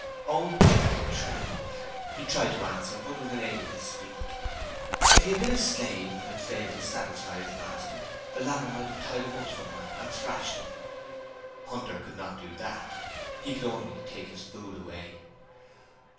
Old Jack trembled. He tried to answer, but was unable to speak. If he had been a slave and had failed to satisfy his master, the latter might have tied him up somewhere and thrashed him. Hunter could not do that; he could only take his food away.